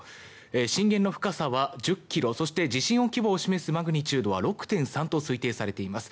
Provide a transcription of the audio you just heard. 震源の深さは１０ｋｍそして地震の規模を示すマグニチュードは６．３と推定されています。